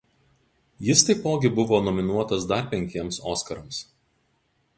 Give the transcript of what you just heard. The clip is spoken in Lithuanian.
Jis taipogi buvo nominuotas dar penkiems Oskarams.